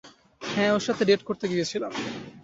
হ্যাঁ, ওর সাথে ডেট করতে গিয়েছিলাম।